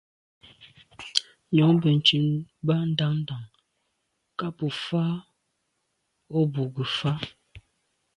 Nyòóŋ bə̀ntcìn bə́ á ndàá ndàŋ ká bù fâ’ o bù gə́ fà’.